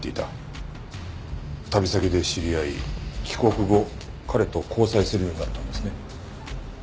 旅先で知り合い帰国後彼と交際するようになったんですね。